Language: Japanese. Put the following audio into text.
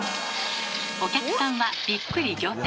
お客さんはびっくり仰天。